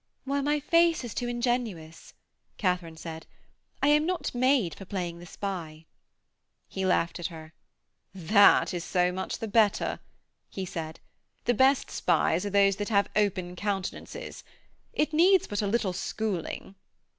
'Why, my face is too ingenuous,' Katharine said. 'I am not made for playing the spy.' He laughed at her. 'That is so much the better,' he said. 'The best spies are those that have open countenances. It needs but a little schooling.'